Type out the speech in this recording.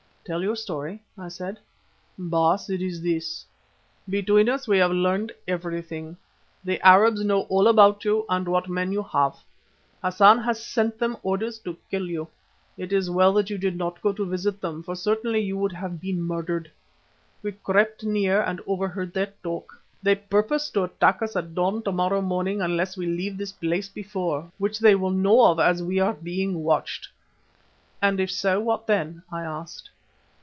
"Tell your story," I said. "Baas, it is this. Between us we have learned everything. The Arabs know all about you and what men you have. Hassan has sent them orders to kill you. It is well that you did not go to visit them, for certainly you would have been murdered. We crept near and overheard their talk. They purpose to attack us at dawn to morrow morning unless we leave this place before, which they will know of as we are being watched." "And if so, what then?" I asked.